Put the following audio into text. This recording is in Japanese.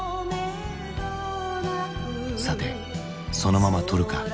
さてそのままとるか？